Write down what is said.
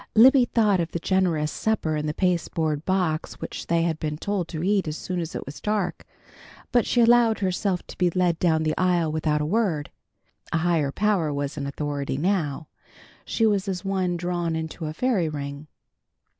Libby thought of the generous supper in the pasteboard box which they had been told to eat as soon as it was dark, but she allowed herself to be led down the aisle without a word. A higher power was in authority now. She was as one drawn into a fairy ring.